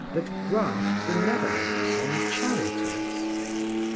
That graft benevolence on charities.